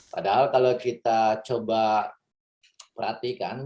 padahal kalau kita coba perhatikan